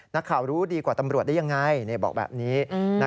รู้ดีกว่าตำรวจได้ยังไงบอกแบบนี้